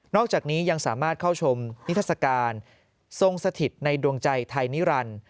อกจากนี้ยังสามารถเข้าชมนิทัศกาลทรงสถิตในดวงใจไทยนิรันดิ์